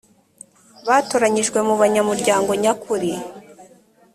batoranyijwe mu abanyamuryango nyakuri